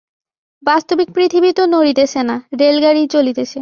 বাস্তবিক পৃথিবী তো নড়িতেছে না, রেলগাড়ীই চলিতেছে।